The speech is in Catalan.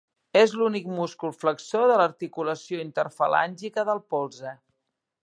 És l'únic múscul flexor de l'articulació interfalàngica del polze.